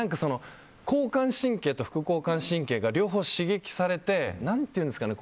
交感神経と副交感神経が両方刺激されてなんていうんですかね？